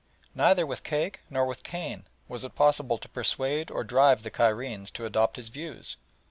Neither with cake nor with cane was it possible to persuade or drive the Cairenes to adopt his views.